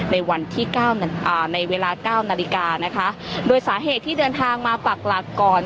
ในวันที่เก้าในเวลาเก้านาฬิกานะคะโดยสาเหตุที่เดินทางมาปักหลักก่อน